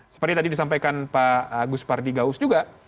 seperti tadi disampaikan pak gus pardigaus juga